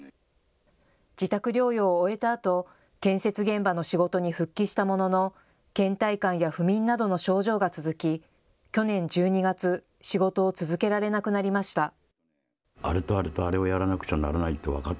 自宅療養を終えたあと建設現場の仕事に復帰したもののけん怠感や不眠などの症状が続き、去年１２月、仕事を続けられなくなりました。